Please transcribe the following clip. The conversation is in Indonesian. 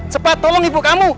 cepat tolong ibu kamu